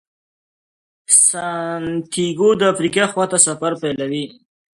سانتیاګو د افریقا خواته سفر پیلوي.